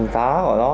giá của nó